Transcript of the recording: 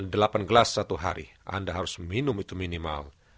delapan gelas satu hari anda harus minum itu minimal